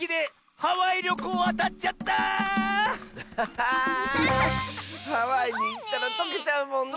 ハワイにいったらとけちゃうもんね！